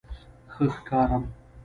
_ښه ښکارم؟